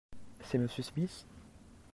C'est M. Smith ?